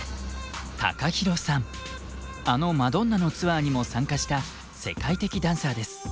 あのマドンナのツアーにも参加した世界的ダンサーです。